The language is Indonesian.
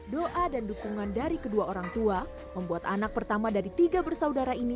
doa dan dukungan dari kedua orang tua membuat anak pertama dari tiga bersaudara ini